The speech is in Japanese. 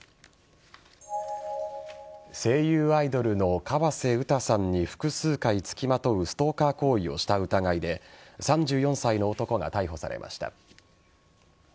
声優アイドルの河瀬詩さんに複数回つきまとうストーカー行為をした疑いで３４歳の男が逮捕されました。